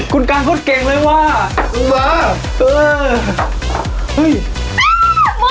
คุณกรรค์โคตรเก่งเลยว่ะลุงมาเออ